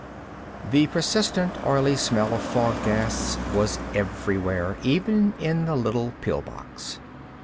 The persistent, oily smell of fog gas was everywhere, even in the little pill box.